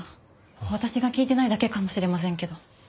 私が聞いてないだけかもしれませんけど。